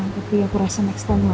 tapi aku rasa next time lah